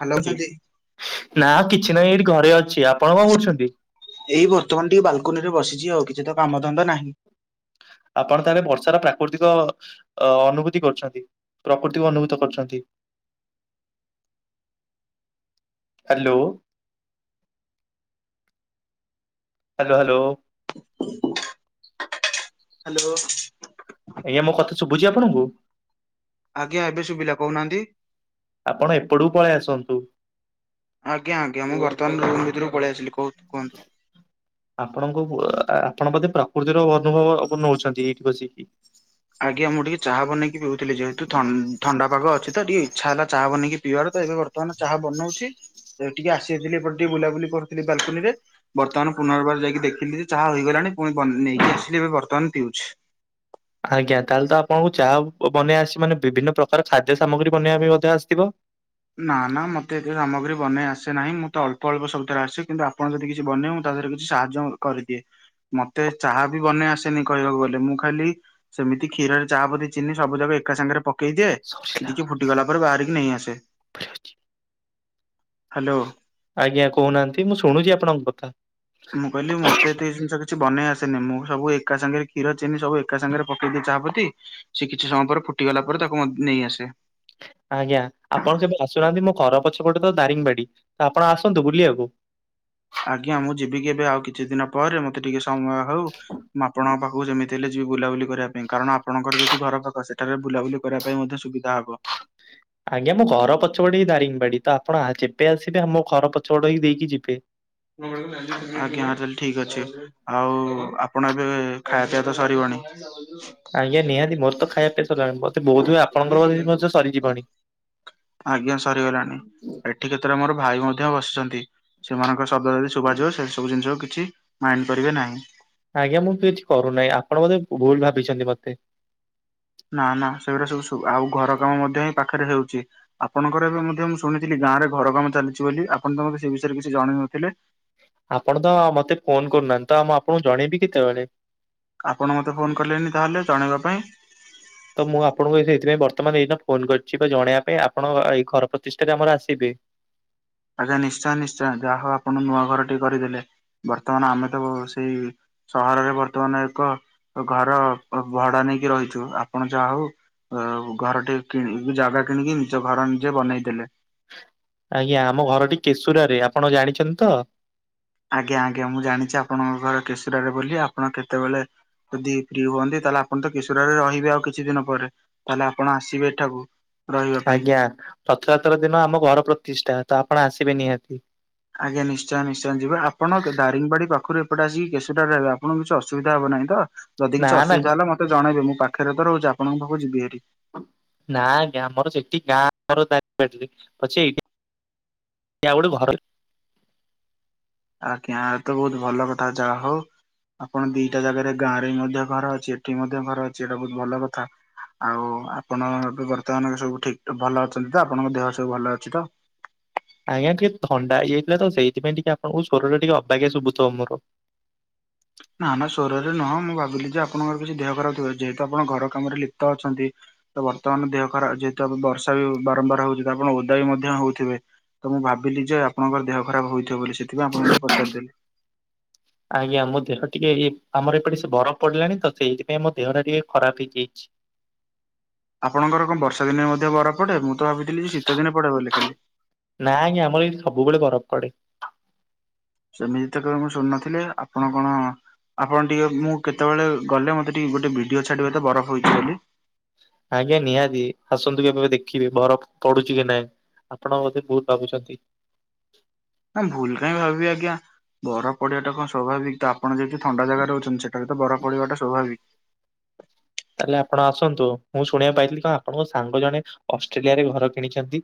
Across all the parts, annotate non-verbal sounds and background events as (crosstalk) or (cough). Hello ଅଛନ୍ତି (unintelligible) ନା କିଛି ନାହିଁ ଏଇଠି ଘରେ ଅଛି। ଆପଣ କଣ କରୁଛନ୍ତି? ଏଇ ବର୍ତ୍ତମାନ ଟିକେ ବାଲକୁନିରେ ବସିଛି ଆଉ କିଛି ତ କାମଧନ୍ଦା ନାହିଁ। ଆପଣ ତାହେଲେ ବର୍ଷାର ପ୍ରାକୃତିକ ଅ, ଅନୁଭୂତି କରୁଛନ୍ତି। ପ୍ରକୃତିକୁ ଅନୁଭୂତ କରୁଛନ୍ତି। ହାଲୋ। Hello, hello. ହାଲୋ। ଆଜ୍ଞା ମୋ କଥା ଶୁଭୁଛି ଆପଣଙ୍କୁ? ଆଜ୍ଞା ଏବେ ଶୁଭିଲା କହୁନାହାନ୍ତି। ଆପଣ ଏପଟକୁ ପଳେଇ ଆସନ୍ତୁ। ଆଜ୍ଞା, ଆଜ୍ଞା ମୁଁ ବର୍ତ୍ତମାନ ରୁମ୍ ଭିତରୁକୁ ପଳେଇ ଆସିଲି କହୁତ କୁହନ୍ତୁ। ଆପଣଙ୍କ ଉଅ, ଆପଣ ବୋଧେ ପ୍ରକୃତିର ଅନୁଭବ ଆପଣ ନଉଛନ୍ତି ଏଇଠି ବସିକି। ଆଜ୍ଞା ମୁଁ ଟିକେ ଚାହା ବନେଇକି ପିଉଥିଲି ଯେହେତୁ ଥ- ଥଣ୍ଡା ପାଗ ଅଛି ତ ଟିକେ ଇଚ୍ଛା ହେଲା ଚାହା ବନେଇକି ପିଇବାର ତ ଏବେ ବର୍ ର୍ତ୍ତମାନ ଚାହା ବନଉଛି ଏ ଟିକେ ଆସିଯାଇଥିଲି ଏପଟେ ଟିକେ ବୁଲାବୁଲି କରୁଥିଲି ବାଲକୁନିରେ। ବର୍ତ୍ତମାନ ପୁନର୍ବାର ଯାଇକି ଦେଖିଲି ଯେ ଚାହା ହୋଇଗଲାଣି ପୁଣି ବନ ନେଇକି ଆସିଲି ଏବେ ବର୍ତ୍ତମାନ ପିଉଛି। ଆଜ୍ଞା ତାହେଲେ ତ ଆପଣଙ୍କୁ ଚାହା ବନେଇବା ଆସିଛି ମାନେ ବିଭିନ୍ନ ପ୍ରକାର ଖାଦ୍ୟ ସାମଗ୍ରୀ ବନେଇବା ବି ମଧ୍ୟ ଆସିଥିବ? ନା ନା ମୋତେ ଏତେ ସାମଗ୍ରୀ ବନେଇ ଆସେ ନାହିଁ। ମୁଁ ତ ଅଳ୍ପ ଅଳ୍ପ ସବୁଥିରେ ଆସେ। କିନ୍ତୁ ଆ ଆପଣ ଯଦି କିଛି ବନେଇବୁ ତା ଦେହରେ କିଛି ସାହାଯ୍ୟ କରିଦିଏ। ମୋତେ ଚାହା ବି ବନେଇ ଆସେନି କହିବାକୁ ଗଲେ ମୁଁ ଖାଲି ସେମିତି କ୍ଷୀରରେ ଚା ପତି ଚିନି ସବୁ ଯାକ ଏକା ସାଙ୍ଗରେ ପକେଇ ଦିଏ। ସିଏ ସରିଲା ଟିକିଏ ଫୁଟିଗଲା ପରେ ବାହାରିକି ନେଇଆସେ। ହାଲୋ। ଆଜ୍ଞା, କହୁନାହାନ୍ତି ମୁଁ ଶୁଣୁଛି ଆପଣଙ୍କ କଥା। ମୁଁ କହିଲି ମୋ ତେ ଏତେ ଜିନିଷ କିଛି ବନେଇ ଆସେନି, ମୁଁ ସବୁ ଏକା ସାଙ୍ଗରେ କ୍ଷୀର, ଚିନି ସବୁ ଏକା ସାଙ୍ଗରେ ପକେଇ ଦିଏ। ଚାହା ପତି ସେ କିଛି ସମୟ ପରେ ଫୁଟିଗଲା ପରେ, ତାକୁ ମୁଁ ନେଇ ଆସେ। ଆଜ୍ଞା ଆପଣ କେବେ ଆସୁନାହାନ୍ତି। ମୋ ଘର ପଛପଟେ ତ ଦାରିଙ୍ଗବାଡି, ତ ଆପଣ ଆସନ୍ତୁ ବୁଲିବାକୁ। ଆଜ୍ଞା, ମୁଁ ଯିବି କେବେ, ଆଉ କିଛି ଦିନ ପରେ, ମୋତେ ଟିକେ ସମୟ ହଉ। ମୁଁ ଆପଣଙ୍କ ପାଖକୁ ଯେମିତି ହେଲେ ଯିବି ବୁଲାବୁଲି କରିବା ପାଇଁ। କାରଣ ଆପଣଙ୍କର ଯେହେତୁ ଘର ପାଖ, ସେଠାରେ ବୁଲାବୁଲି କରିବା ପାଇଁ ମଧ୍ୟ ସୁବିଧା ହବ। ଆଜ୍ଞା, ମୋ ଘର ପଛପଟେ ଇ ଦାରିଙ୍ଗବାଡି, ତ ଆପଣ ଆ, ଯେବେ ଆସିବେ, ଆମ ଘର ପଛପଟ ହେଇ ଦେଇକି ଯିବେ। ଆଜ୍ଞା ତାହେଲେ ଠିକ ଅଛି। ଆଉ ଆପଣ ଏବେ ଖାଇବା ପିଇବା ତ ସରିବଣି। (unintelligible) ଆଜ୍ଞା ନିହାତି ମୋର ତ ଖାଇବା ପିଇବା ସରଲାଣି। ମୋତେ ବୋଧହୁଏ ଆପଣଙ୍କର ବି ମଧ୍ୟ ସରି ଯିବଣି? ଆଜ୍ଞା ସରିଗଲାଣି। ଏଠି କେତେଳେ ମୋର ଭାଇ ମଧ୍ୟ ବସିଛନ୍ତି। ସେମାନଙ୍କ ଶବ୍ଦ ଯଦି ଶୁଭାଯିବ ସେ ସବୁ ଜିନିଷକୁ କିଛି ମାଇଣ୍ଡ କରିବେ ନାହିଁ। ଆଜ୍ଞା ମୁଁ କିଛି କରୁନାହିଁ ଆପଣ ବୋଧେ ଭୁଲ ଭାବିଛନ୍ତି ମୋତେ। ନା ନା ସେଗୁରା ସବୁ ଶୁ ଆଉ ଘର କାମ ମଧ୍ୟ ଏଇ ପାଖରେ ହେଉଛି। ଆପଣଙ୍କର ଏବେ ମଧ୍ୟ ମୁଁ ଶୁଣିଥିଲି ଗାଁ ରେ ଘର କାମ ଚାଲିଛି ବୋଲି ଆପଣ ତ ମୋତେ ସେ ବିଷୟରେ କିଛି ଜଣେଇନଥିଲେ? ଆପଣ ତ ମୋତେ ଫୋନ୍ କରୁନାହାନ୍ତି। ତ ମୁଁ ଆପଣଙ୍କୁ ଜଣେଇବି କେତେବେଳେ। ଆପଣ ମୋତେ ଫୋନ୍ କଲେେନି ତାହେଲେ ଜଣେଇବା ପାଇଁ। ତ ମୁଁ ଆପଣଙ୍କୁ ଏଇଠି ଏଇଥିପାଇଁ ବର୍ତ୍ତମାନ ଏଇନା ଫୋନ୍ କରିଛି ବା ଜଣେଇବା ପାଇଁ। ଆପଣ ଏଇ ଘର ପ୍ରତିଷ୍ଠାରେ ଆମର ଆସିବେ। ଆଜ୍ଞା ନିଶ୍ଚୟ ନିଶ୍ଚୟ ଯାହା ହଉ ଆପଣ ନୂଆ ଘରଟି କରିଦେଲେ। ବର୍ତ୍ତମାନ ଆମେ ତ ସେଇ ସହରରେ ବର୍ତ୍ତମାନ ଏକ ଘର ଭଡା ନେଇକି ରହିଛୁ। ଆପଣ ଯା ହଉ ଅ, ଘର ଟେ କିଣି, ଜାଗା କିଣିକି ନିଜ ଘର ନିଜେ ବନେଇଦେଲେ। ଆଜ୍ଞା, ଆମ ଘରଟି କେଶୁରାରେ ଆପଣ ଜାଣିଛନ୍ତି ତ? ଆଜ୍ଞା, ଆଜ୍ଞା, ମୁଁ ଜାଣିଛି ଆପଣଙ୍କ ଘର କେଶୁରାରେ ବୋଲି, ଆପଣ କେତେବେଳେ ଯଦି ଫ୍ରି ହୁଅନ୍ତି ତାହେଲେ ଆପଣ ତ କିଶୋରା ରେ ରହିବେ, ଆଉ କିଛି ଦିନ ପରେ ତାହେଲେ, ଆପଣ ଆସିବେ ଏଠାକୁ। ରହିବା ପାଇଁ ଆଜ୍ଞା, ରଥଯାତ୍ରା ଦିନ ଆମ ଘର ପ୍ରତିଷ୍ଠା, ତ ଆପଣ ଆସିବେ ନିହାତି। ଆଜ୍ଞା, ନିଶ୍ଚୟ ନିଶ୍ଚୟ ଯିବା, ଆପଣ ଦାରିଙ୍ଗବାଡ଼ି ପାଖରୁ ଏପଟେ ଆସିକି କେଶୁରାରେ ରହିବେ, ଆପଣଙ୍କୁ କିଛି ଅସୁବିଧା ହବ ନାହିଁ ତ? ଯଦି ନା କିଛି ନା ଅସୁବିଧା ହେଲା, ମତେ ଜଣାଇବେ, ମୁଁ ପାଖରେ ତ ରହୁଛି, ଆପଣଙ୍କ ପାଖକୁ ଯିବି ହାରି। ନା ଆଜ୍ଞା, ଆମର ସେଠି ଗାଁ ଆମର ଦାରିଙ୍ଗବାଡ଼ି ରେ ଅଛି ଆଉ ଗୋଟେ ଘର ଆଜ୍ଞା, ତ ବହୁତ ଭଲ କଥା ଯା ହଉ ଆପଣ ଦିଟା ଜାଗାରେ ଗାଁରେ ବି ମଧ୍ୟ ଘର ଅଛି, ଏଠି ବି ମଧ୍ୟ ଘର ଅଛି ଏଇଟା ବହୁତ ଭଲ କଥା। ଆଉ ଆପଣ ଏ ବର୍ତ୍ତମାନ ସବୁ ଠିକ ଭଲ ଅଛନ୍ତି ତ, ଆପଣଙ୍କ ଦେହ ସବୁ ଭଲ ଅଛି ତ? ଆଜ୍ଞା, ଟିକେ ଥଣ୍ଡା ହେଇଯାଇଥିଲା ତ, ସେଇଥିପାଇ ଟିକେ ଆପଣଙ୍କୁ ସ୍ୱରଟା ଟିକେ ଅବାଗିଆ ଶୁଭୁଥିବ ମୋର ନା ନା ସ୍ୱରରେ ନୁହଁ, ମୁଁ ଭାବିଲି ଯେ ଆପଣଙ୍କର କିଛି ଦେହ ଖରାପ ଥିବ, ଯେହେତୁ ଆପଣ ଘର କାମରେ ଲିପ୍ତ ଅଛନ୍ତି। ତ ବର୍ତ୍ତମାନ ଦେହ ଖରାପ ଯେହେତୁ, ଆ ବର୍ଷା ବି ବାରମ୍ବାର ହଉଛି ତ, ଆପଣ ଓଦା ବି ମଧ୍ୟ ହଉଥିବେ। ତ ମୁଁ ଭାବିଲି ଯେ -ଆପଣଙ୍କର ଦେହ ଖରାପ ହେଇଥିବ ବୋଲି, ସେଥିପାଇଁ ଆପଣଙ୍କୁ ଟିକେ ପଚାରିଦେଲି। ଆଜ୍ଞା, ମୋ ଦେହ ଟିକେ, ଆମର ଏପଟେ ସେ ବରଫ ପଡ଼ିଲାଣି ତ, ସେଇଥିପାଇଁ ମୋ ଦେହ ଟା ଟିକେ ଖରାପ ହେଇଯାଇଛି। ଆପଣଙ୍କର କଣ ବର୍ଷା ଦିନେ ମଧ୍ୟ ବରଫ ପଡେ, ମୁଁ ତ ଭାବିଥିଲି ଶୀତ ଦିନେ ପଡ଼େ ବୋଲି ଖାଲି। ନାଁ ଆଜ୍ଞା, ଆମର ଏଠି ସବୁବେଳେ ବରଫ ପଡ଼େ। ସେମିତି ତ କେବେ ମୁଁ ଶୁଣୁନଥିଲି, ଆପଣ କଣ? ଆପଣ ଟିକେ ମୁଁ କେତେବେଳେ ଗଲେ, ମତେ ଟିକେ ଗୋଟେ ଭିଡିଓ ଛାଡ଼ିବେ ତ, ବରଫ ହେଇଛି ବୋଲି। ଆଜ୍ଞା ନିହାତି, ଆସନ୍ତୁ କେବେ ଦେଖିବେ ବରଫ୍ ପଡୁଛି କି ନାଇଁ? ଆପଣ ବୋଧେ ବହୁତ ଭାବୁଛନ୍ତି। ନା ଭୁଲ କାହିଁ ଭାବିବି ଆଜ୍ଞା, ବରଫ ପଡ଼ିବା ଟା କଣ ସ୍ୱାଭାବିକ ତ ଆ ଆପଣ ଯେହେତୁ ଥଣ୍ଡା ଜାଗାରେ ରହୁଛନ୍ତି, ସେଠାରେ ତ ବରଫ ପଡ଼ିବାଟା ସ୍ୱଭାବିକ। ତାହେଲେ ଆପଣ ଆସନ୍ତୁ, ମୁଁ ଶୁଣିବାକୁ ପାଇଥିଲି କଣ ଆପଣଙ୍କ ସାଙ୍ଗ ଜଣେ ଅଷ୍ଟ୍ରେଲିଆରେ ଘର କିଣିଛନ୍ତି।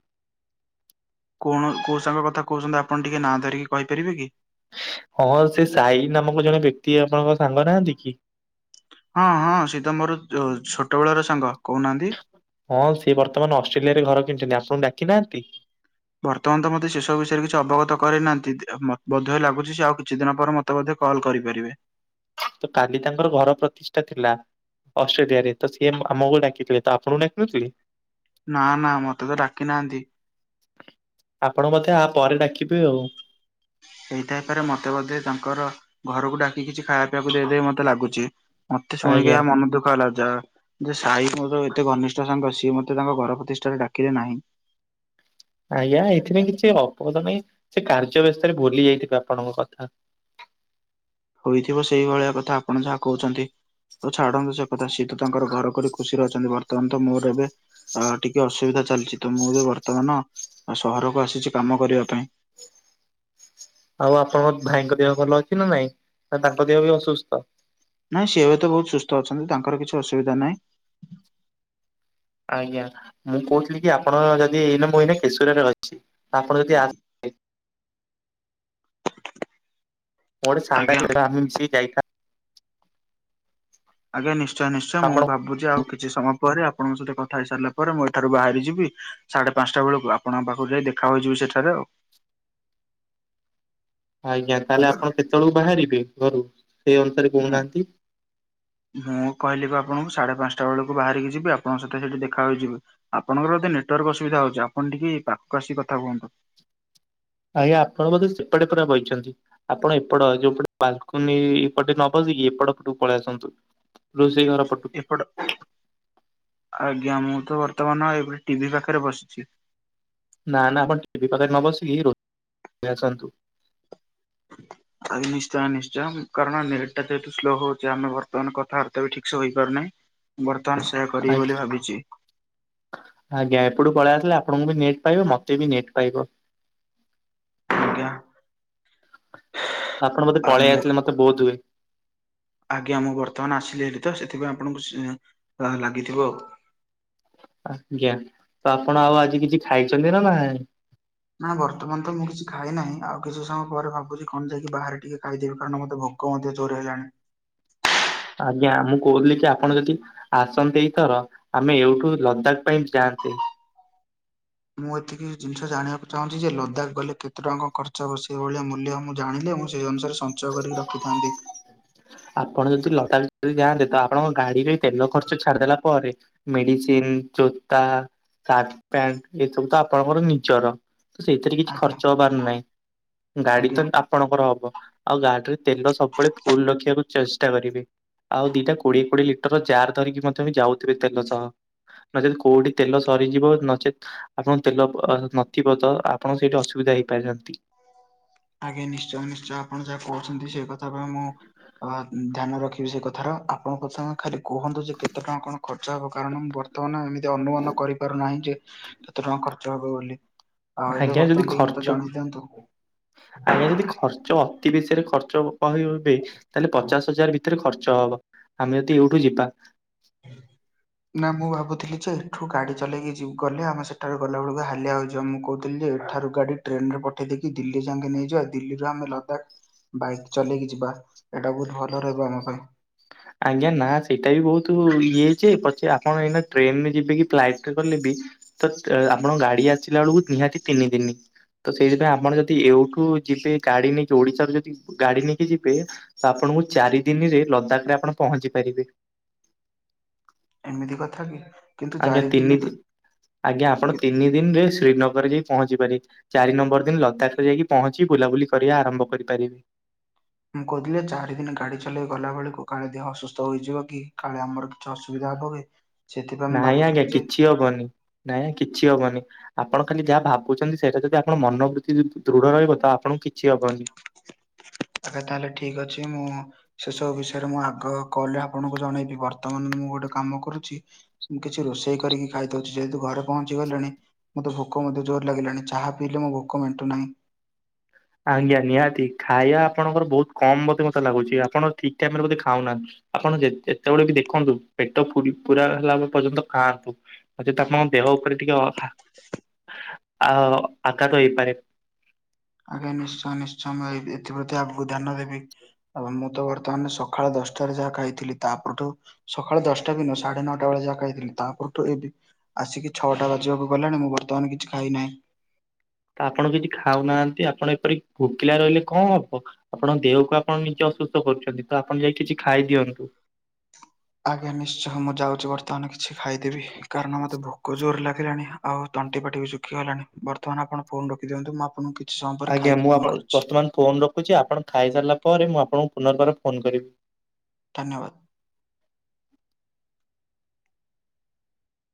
କଣ କୋଉ ସାଙ୍ଗ କଥା କହୁଛନ୍ତି, ଆପଣ ଟିକେ ନାଁ ଧରିକି କହିପାରିବେ କି? ହଁ ସେ ସାଇ ନାମକ ଜଣେ ବ୍ୟକ୍ତି ଆପଣଙ୍କ ସାଙ୍ଗ ନାହାନ୍ତି କି? ହଁ ହଁ ସିଏତ ମୋର ଛୋଟବେେଳ ର ସାଙ୍ଗ କହୁନାହାନ୍ତି। ହଁ ସିଏ ବର୍ତ୍ତମାନ ଅଷ୍ଟ୍ରେଲିଆରେ ଘର କିଣିଛନ୍ତି ଆପଣଙ୍କୁ ଡାକିନାହାନ୍ତି। ବର୍ତ୍ତମାନ ତ ମୋତେ ସେସବୁ ବିଷୟରେ କିଛି ଅବଗତ କରେଇନାହାନ୍ତି ବୋଧେ ଲାଗୁଛି ଆଉ କିଛି ଦିନ ପରେ ମ ତେ ମଧ୍ୟ କଲ୍ କରିପାରିବେ। ତ କାଲି ତାଙ୍କର ଘର ପ୍ରତିଷ୍ଠା ଥିଲା। ଅଷ୍ଟ୍ରେଲିଆ ରେ ତ ସିଏ ଆମକୁ ଡାକିଥିଲେ ତ ଆପଣଙ୍କୁ ଡାକିନ ନଥିଲେ। ନା ନା ମତେ ତ ଡାକି ନାହାନ୍ତି। ଆପଣ ବୋଧେ ଆ ପରେ ଡାକିବେ ଆଉ। ହେଇଥାଇପାରେ, ମତେ ବୋଧେ ତାଙ୍କର ଘରକୁ ଡାକି କିଛି ଖାଇବା ପିଇବାକୁ ଦେଇଦେବେ, ମତେ ଲାଗୁଛି। ମତେ ଶୁଣିକି ଆଜ୍ଞା ଆ ମନ ଦୁଃଖ ହେଲା, ଯା ଯେ ସାହି ମୋର ଏତେ ଘନିଷ୍ଠ ସାଙ୍ଗ ସିଏ, ମୋତେ ତାଙ୍କ ଘର ପ୍ରତିଷ୍ଠାରେ ଡାକିଲେ ନାହିଁ। ଆଜ୍ଞା, ଏଥିପାଇଁ କିଛି ଅପଦ ନାହିଁ ସେ କାର୍ଯ୍ୟ ବ୍ୟସ୍ତରେ ଭୁଲି ଯାଇଥିବେ, ଆପଣଙ୍କ କଥା। ହୋଇଥିବ ସେଇଭଳିଆ କଥା, ଆପଣ ଯାହା କହୁଛନ୍ତି। ହୋଉ ଛାଡ଼ନ୍ତୁ ସେ କଥା, ସିଏ ତ ତାଙ୍କର ଘର କରି ଖୁସିରେ ଅଛନ୍ତି, ବର୍ତ୍ତମାନ ତ ମୋର ଏବେ ଅ ଟିକେ ଅସୁବିଧା ଚାଲିଛି ତ, ମୁଁ ଯେ ବର୍ତ୍ତମାନ ସହରକୁ ଆସିଛି କାମ କରିବା ପାଇଁ। ଆଉ ଆପଣଙ୍କ ଭାଇଙ୍କ ଦେହ ଭଲ ଅଛି ନା ନାଇଁ, ନା ତାଙ୍କ ଦେହ ବି ଅସୁସ୍ଥ। ନାଇଁ ସିଏ ଏବେ ତ ବହୁତ ସୁସ୍ଥ ଅଛନ୍ତି, ତାଙ୍କର କିଛି ଅସୁବିଧା ନାହିଁ। ଆଜ୍ଞା, ମୁଁ କହୁଥିଲି କି -ଆପଣ ଯଦି ଏଇନା, ମୁଁ ଏଇନା କେଶୁରାରେ ଅଛି, ଆପଣ ଯଦି ମୋ ଆଜ୍ଞା। (unintelligible) ଆଜ୍ଞା, ନିଶ୍ଚୟ ନିଶ୍ଚୟ, ମୁଁ ଆପଣ ଭାବୁଛି ଆଉ କିଛି ସମୟ ପରେ, ଆପଣଙ୍କ ସହିତ କଥା ହେଇ ସାରିଲା ପରେ, ମୁଁ ଏଠାରୁ ବାହାରି ଯିବି। ସାଢେ଼ ପାଞ୍ଚଟା ବେଳକୁ ଆପଣଙ୍କ ପାଖକୁ ଯାଇ ଦେଖା ହୋଇଯିବି ସେଠାରେ ଆଉ ଆଜ୍ଞା ତାହେଲେ ଆପଣ କେତେବେଳକୁ ବାହାରିବେ ଘରୁ ସେଇ ଅନୁସାରେ ମୁଁ କହୁନାହାନ୍ତି। ମୁଁ କହିଲି ପା ଆପଣଙ୍କୁ ସାଢେ଼ ପାଞ୍ଚଟା ବେଳକୁ ବାହାରିକି ଯିବି ଆପଣଙ୍କ ସହିତ ସେଠି ଦେଖା ହୋଇଯିବ। ଆପଣଙ୍କର ଏତେ ନେଟୱାର୍କ ଅସୁବିଧା ହଉଛି ଆପଣ ଟିକେ ପାଖକୁ ଆସି କଥା ହୁଅନ୍ତୁ। ଆଜ୍ଞା ଆପଣ ବୋଧେ ସେପଟେ ପୁରା ବହିଛନ୍ତି। ଆପଣ ଏପଟ ଯୋଉପଟେ ବାଲକୁନି ଏପଟେ ନ ବସିକି ଏପଟ ପଟକୁ ପଳେଇ ଆସନ୍ତୁ। ରୋଷେଇ ଘର ପଟୁ। ଆଜ୍ଞା ମୁଁ ତ ବର୍ତ୍ତମାନ ଏଇ ଗ-ଟିଭି ପାଖରେ ବସିଛି। ନା ନା ଆପଣ ଟିଭି ପାଖେରେ ନ ବସିକି ରୋ- ଆସନ୍ତୁ। ହ ଆ ନିଶ୍ଚୟ ନିଶ୍ଚୟ କାରଣ ନେଟ୍ ଟା ଯେହେତୁ ସ୍ଲୋ ହଉଛି ଆମେ ବର୍ତମାନ କଥାବାର୍ତ୍ତା ବି ଠିକ ସେ ହେପାରୁନାହିଁ। ବର୍ତ୍ତମାନ ସେୟା କରିବି ବୋଲି ଭାବିଛି। ଆଜ୍ଞା ଏପଟୁ ପଳେଇ ଆସଥିଲେ ଆପଣଙ୍କୁ ବି ନେଟ୍ ପାଇବ ମତେ ବି ନେଟ୍ ପାଇବ। ଆଜ୍ଞା। ତ ଆପଣ ଆଉ ମୁଁ ପଳେଇଆାଇଥିଲେ ମତେ ବୋଧ ହୁଏ। ଆଜ୍ଞା ମୁଁ ବର୍ତ୍ତମାନ ଆସିଲି ହେଲେ ତ ସେଥିପାଇଁ ଆପଣଙ୍କୁ ସ-ଲାଗିଥିବ ଆଉ। ଆଜ୍ଞା ତ ଆପଣ ଆଉ ଆଜି କିଛି ଖାଇଛନ୍ତି ନା ନା ନାଁ ବର୍ତ୍ତମାନ ତ ମୁଁ କିଛି ଖାଇ ନାହିଁ ଆଉ କିଛି ସମୟ ପରେ ଭାବୁଛି କଣ ଯାଇକି ବାହାରେ ଟିକେ ଖାଇଦବି କାରଣ ମୋତେ ଭୋଗ କୁହନ୍ତି ଜୋରେ ହେଲାଣି। ଆଜ୍ଞା ମୁଁ କହୁଥିଲି କି ଆପଣ ଯଦି ଆସନ୍ତି ଏଇଥର ଆମେ ଏଉଠୁ ଲଦାଖ ପାଇଁ ଯାଆନ୍ତେ। ମୁଁ ଏତିକି ଜିନିଷ ଜାଣିବାକୁ ଚାହୁଁଛି ଯେ ଲଦାଖ ଗଲେ କେତେ ଟଙ୍କା ଖର୍ଚ୍ଚ ହେବ ସେଇଭଳିଆ ମୂଲ୍ୟ ମୁଁ ଜାଣିଲେ ମୁଁ ସେଇ ଅନୁସାରେ ସମ (inaudible) ଆପଣ ଯଦି ଲତାଖ ଯଦି ଯାଆନ୍ତେ ତ ଆପଣଙ୍କ ଗାଡିରେ ତେଲ ଖର୍ଚ୍ଚ ଛାଡିଦେଲା ପରେ ମେଡିସିନ ଜୋତା ସାର୍ଟ ପ୍ୟାଣ୍ଟ ଏସବୁ ତ ଆପଣଙ୍କର ନିଜର। ସେଇଥିରେ କିଛି ଆଜ୍ଞା ଖର୍ଚ୍ଚ ହବାର ନାହିଁ ଗାଡି ତ ଆଜ୍ଞା। ଆପଣଙ୍କର ହବ। ଆଉ ଗାଡିରେ ତେଲ ସବୁବେଳେ ଫୁଲ ରଖିବାକୁ ଚେଷ୍ଟା କରିବେ। ଆଉ ଦିଟା କୋଡିଏ କୋଡିଏ ଲିଟର ଜାର ଧରିକି ମଧ୍ୟ ବି ଯାଉଥିବେ ତେଲ ସହ। ନଚେତ୍ କୋଉଠି ତେଲ ସରିଯିବ ନଚେତ୍ ଆପଣ ତେଲ ଅ-ନଥିବ ତ ଆପଣ ସେଇଠି ଅସୁବିଧା ହେଇପାରନ୍ତି। ଆଜ୍ଞା ନିଶ୍ଚୟ ନିଶ୍ଚୟ ଆପଣ ଯାହା କହୁଛନ୍ତି ସେଇ କଥା ପାଇଁ ମୁଁ ଅ ଧ୍ୟାନ ରଖିବି ସେ କଥାର ଆପଣଙ୍କ ସାଙ୍ଗେ ଖାଲି କୁହନ୍ତୁ ଯେ କେତେ ଟଙ୍କା କଣ ଖର୍ଚ୍ଚ ହେବ କାରଣ ମୁଁ ବର୍ତ୍ତମାନ ଏମିତି ଅନୁମାନ କରିପାରୁନାହିଁ ଯେ କେତେ ଟଙ୍କା ଖର୍ଚ୍ଚ ହେବ ବୋଲି ଆଉ ଏବେ ଆଜ୍ଞା ଯଦି ବର୍ତ୍ତମାନ ଟିକେ ଖର୍ଚ୍ଚ ମତେ ଜଣେଇ ଦିଅନ୍ତୁ। ଆଜ୍ଞା ଯଦି ଖର୍ଚ୍ଚ ଅତି ବେଶୀରେ ଖର୍ଚ୍ଚ କହିବେ ତାହେଲେ ପଚାଶ ହଜାର ଭିତରେ ଖର୍ଚ୍ଚ ହବ ଆମେ ଯଦି ଏଇଠୁ ଯିବା। ନା ମୁଁ ଭାବୁଥିଲି ଯେ ଏଠୁ ଗାଡି ଚଲେଇକି ଯ ଗଲେ ଆମେ ସେଠାରୁ ଗଲା ବେଳକୁ ହାଲିଆ ହେଇଯିବ ମୁଁ କହୁଥିଲି ଏଠାରୁ ଗାଡି ଟ୍ରେନ ରେ ପଠେଇ ଦେଇେଇକି ଦିଲ୍ଲୀ ଯାଇକେ ନେଇଯିବ ଦିଲ୍ଲୀରୁ ଆମେ ଲଦାଖ ବାଇକ ଚଲେଇକି ଯିବା ଏଇଟା ବହୁତ ଭଲ ରହିବ ଆମ ପାଇଁ। ଆଜ୍ଞା ନା ସେଇଟା ବି ବହୁତ ଇଏ ଯେ ପଛେ ଆପଣ ଏଇନା ଟ୍ରେନରେ ଯିବେ କି ଫ୍ଲାଇଟ ରେ କଲେ ବି ତ ଆପଣଙ୍କ ଗାଡି ଆସିଲା ବେଳକୁ ନିହାତି ତିନି ଦିନ। ତ ସେଇଥିପାଇଁ ଆପଣ ଯଦି ଏଇଠୁ ଯିବେ ଗାଡି ନେଇକି ଓଡିଶାରୁ ଯଦି ଗାଡି ନେଇକି ଯିବେ ତ ଆପଣଙ୍କୁ ଚାରି ଦିନରେ ଲଦାଖ ରେ ଆପଣ ପହଞ୍ଚି ପାରିବେ। ଏମିତି କଥା କି। କିନ୍ତୁ ଆଜ୍ଞା ଚାରି ତିନି ଦିନ ଆଜ୍ଞା ଆପଣ ତିନି ଦିନରେ ଶ୍ରୀନଗର ରେ ଯାଇ ପହଞ୍ଚି ପାରିବେ। ଚାରି ନମ୍ବର ଦିନ ଲଦାଖରେ ଯାଇକି ପହଞ୍ଚି ବୁଲାବୁଲି କରିବା ଆରମ୍ଭ କରିପାରିବେ। ମୁଁ କହୁଥିଲି ଚାରି ଦିନ ଗାଡ଼ି ଚଲେଇ ଗଲା ବେଳକୁ କାଳେ ଦେହ ଅସୁସ୍ଥ ହୋଇଯିବ କି କାଳେ ଆମର କି ଅସୁବିଧା ହବ କି? ସେଥିପାଇଁ ମୁଁ ନାଇଁ ଆଜ୍ଞା ଭାବୁଥିଲି ଯେ କିଛି ହବନି ନାଇଁ ଆ କିଛି ହବନି। ଆପଣ ଖାଲି ଯାହା ଭାବୁଛନ୍ତି ସେଇଟା ଯଦି ଆପଣ ମନୋବୃତ୍ତି ଦୃଢ ରହିବ ତ ଆପଣଙ୍କୁ କିଛି ହବନି। ଆଗା ତାହେଲେ ଠିକ ଅଛି ମୁଁ ସେ ସବୁ ବିଷୟରେ ମୁଁ ଆଗ କଲ୍ ରେ ଆପଣଙ୍କୁ ଜଣେଇବି ବର୍ତ୍ତମାନ ମୁଁ ଗୋଟେ କାମ କରୁଛି ମୁଁ କିଛି ରୋଷେଇ କରିକି ଖାଇଦଉଛି ଯେହେତୁ ଘରେ ପହଞ୍ଚି ଗଲେଣି। ମତେ ଭୋକ ମଧ୍ୟ ଜୋର ଲାଗିଲାଣି ଚାହା ପିଇଲେ ମୋ ଭୋକ ମେଣ୍ଟୁ ନାହିଁ। ଆଜ୍ଞା ନିହାତି ଖାଇବା ଆପଣଙ୍କର ବହୁତ କମ୍ ବୋଧେ ମୋତେ ଲାଗୁଛି ଆପଣ ଠିକ ଟାଇମ ରେ ବୋଧେ ଖାଉନାହାନ୍ତି। ଆପଣ ଯେ ଏତେବେଳେ ବି ଦେଖନ୍ତୁ ପେଟ ପୁର ହେଲା ପର୍ଯ୍ୟନ୍ତ ଖାଆନ୍ତୁ। ଅଚେତ ଆପଣଙ୍କ ଦେହ ଉପରେ ଟିକେ ଆ ଆଘାତ ହେଇପାରେ। ଆଜ୍ଞା ନିଶ୍ଚୟ ନିଶ୍ଚୟ ମୁଁ ଏଥିପ୍ରତି ଆଗକୁ ଧ୍ୟାନ ଦେବି। ଆ ମୁଁ ତ ବର୍ତ୍ତମାନ ସକାଳ ଦଶଟାରେ ଯାହା ଖାଇଥିଲି ତା ପରଠୁ ସକାଳ ଦଶଟା ଦିନ ସାଢେ ନଅଟା ବେଳେ ଯାକ ହେଇଥିଲି ତା ପରଠୁ ଏବେ ଆସିକି ଛଅଟା ବାଜିବାକୁ ଗଲେଣି ମୁଁ ବର୍ତ୍ତମାନ କିଛି ଖାଇନାହିଁ। ତ ଆପଣ କିଛି ଖାଉ ନାହାନ୍ତି ଆପଣ ଏପରି ଭୋକିଲା ରହିଲେ କଣ ହବ? ଆପଣ ଦେହକୁ ଆପଣ ନିଜେ ଅସୁସ୍ଥ କରୁଛନ୍ତି ତ ଆପଣ ଯାଇ କିଛି ଖାଇଦିଅନ୍ତୁ। ଆଜ୍ଞା ନିଶ୍ଚୟ ମୁଁ ଯାଉଛି ବର୍ତ୍ତମାନ କିଛି ଖାଇଦେବି କାରଣ ମତେ ଭୋକ ଜୋରେ ଲାଗିଲାଣି। ଆଉ ତଣ୍ଟି ପାଟି ବି ଶୁଖିଗଲାଣି ବର୍ତ୍ତମାନ ଆପଣ ଫୋନ ରଖି ଦିଅନ୍ତୁ ଆପଙ୍କୁ କି ଆଜ୍ଞା ମୁଁ ଆଫଣ ବର୍ତ୍ତମାନ ଫୋନ ରଖୁଛି ଆପଣ ଖାଇସାରିଲା ପରେ ମୁଁ ଆପଣଙ୍କୁ ପୁନର୍ବାର ଫୋନ କରିବି। ଧନ୍ୟବାଦ।